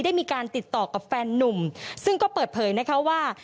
ได้มีการติดต่อกับแฟนนุ่มซึ่งก็เปิดเผยนะคะว่า